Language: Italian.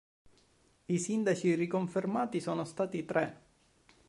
I sindaci riconfermati sono stati tre.